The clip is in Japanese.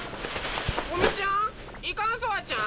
タコ美ちゃん？